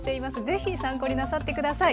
是非参考になさって下さい。